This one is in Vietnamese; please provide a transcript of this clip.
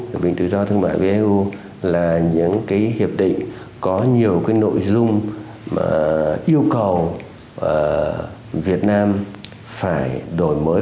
hiệp định tự do thương mại với eu là những cái hiệp định có nhiều cái nội dung yêu cầu việt nam phải đổi mới